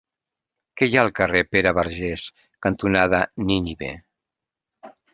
Què hi ha al carrer Pere Vergés cantonada Nínive?